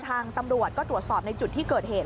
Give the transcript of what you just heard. ทางตำรวจก็ตรวจสอบในจุดที่เกิดเหตุ